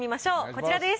こちらです。